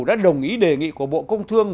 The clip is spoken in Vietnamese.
đã đồng ý đề nghị của bộ công thương